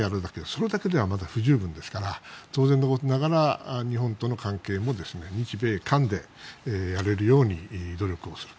それだけではまだ不十分ですから当然のことながら日本との関係も日米韓でやれるように努力をする。